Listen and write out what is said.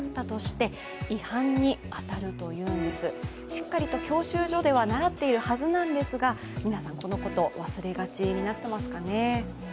しっかりと教習所では習っているはずですが皆さん、このこと忘れがちになっていますかね。